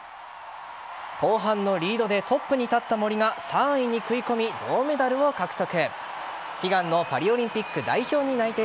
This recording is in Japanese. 後半のリードでトップに立った森が３位に食い込み銅メダルを獲得。